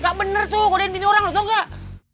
gak bener tuh ngodein pini orang lo tau gak